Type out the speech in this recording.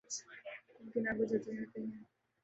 اُن کے کام کا جائزہ لیتے ہیں